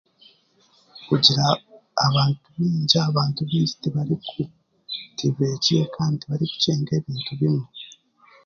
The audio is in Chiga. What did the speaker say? Kugira abantu baingi tibeegire kandi tibarikugyenga ebintu bimwe